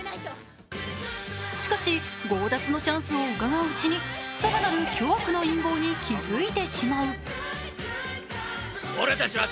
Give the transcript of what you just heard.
しかし強奪のチャンスをうかがううちに更なる巨悪の陰謀に気付いてしまう。